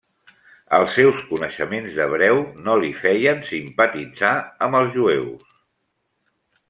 Els seus coneixements d'hebreu no li feien simpatitzar amb els jueus.